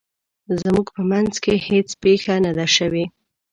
زموږ په مینځ کې هیڅ پیښه نه ده شوې